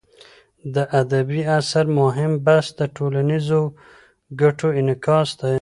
د ادبي اثر مهم بحث د ټولنیزو ګټو انعکاس دی.